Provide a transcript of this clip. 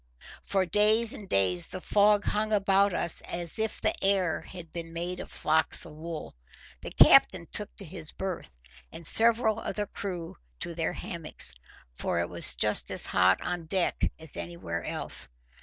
For days and days the fog hung about us as if the air had been made o' flocks o' wool. The captain took to his berth, and several of the crew to their hammocks, for it was just as hot on deck as anywhere else.